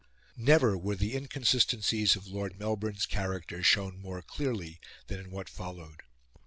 Never were the inconsistencies of Lord Melbourne's character shown more clearly than in what followed.